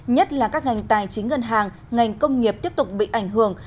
nhất là các ngành tài chính ngân hàng ngành công nghiệp tiếp tục bị ảnh hưởng